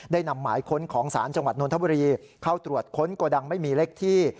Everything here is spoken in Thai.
นำหมายค้นของศาลจังหวัดนทบุรีเข้าตรวจค้นโกดังไม่มีเล็กที่